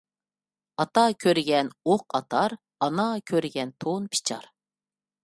ئاتا كۆرگەن ئوق ئاتار، ئانا كۆرگەن تون پىچار.